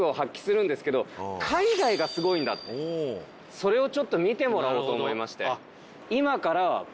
それをちょっと見てもらおうと思いまして。